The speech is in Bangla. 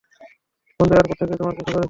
বন্ধু, এয়ারপোর্ট থেকেই তোমার পিছু করছি।